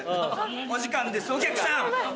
お時間ですお客さん！